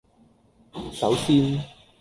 首先